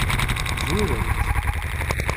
Zwiremt.